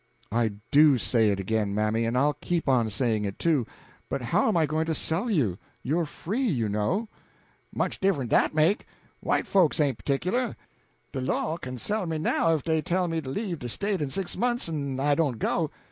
"I do say it again, mammy, and I'll keep on saying it, too. But how am I going to sell you? You're free, you know." "Much diff'rence dat make! White folks ain't partic'lar. De law kin sell me now if dey tell me to leave de State in six months en I don't go.